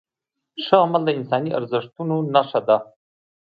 ښه عمل د انساني ارزښتونو نښه ده.